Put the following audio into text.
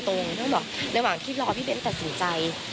แพทย์ก็บอกในหว่างที่รอพี่เบ้นตัดสินใจ